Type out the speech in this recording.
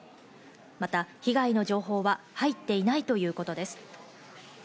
また被害の情報は入っていないということです。